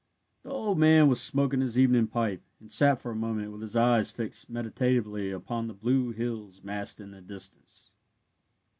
The old man was smoking his evening pipe, and sat for a moment with his eyes fixed meditatively upon the blue hills massed in the distance.